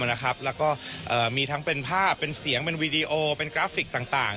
แล้วก็มีทั้งเป็นภาพเป็นเสียงเป็นวีดีโอเป็นกราฟิกต่าง